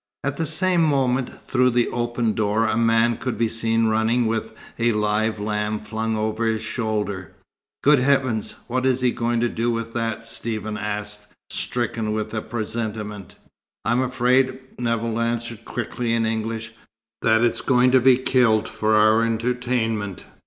At the same moment, through the open door, a man could be seen running with a live lamb flung over his shoulder. "Good heavens, what is he going to do with that?" Stephen asked, stricken with a presentiment. "I'm afraid," Nevill answered quickly in English, "that it's going to be killed for our entertainment."